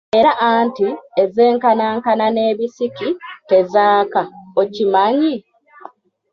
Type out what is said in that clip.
Era anti ezenkanankana n'ebisiki tezaaka, okimanyi?